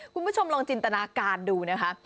คุณผู้ชมลองจินตนาการดูนะคะ